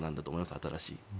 新しい。